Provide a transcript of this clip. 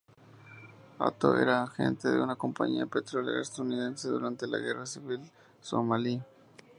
Atto era gerente de una compañía petrolera estadounidense durante la guerra civil somalí.